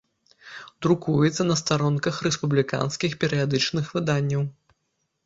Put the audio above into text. Друкуецца на старонках рэспубліканскіх перыядычных выданняў.